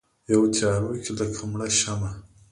یوه تیارو کې لکه مړه شمعه